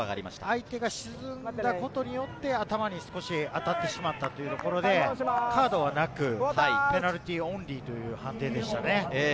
相手が沈んだことによって頭に少し当たってしまったということで、カードはなく、ペナルティーオンリーという判定でしたね。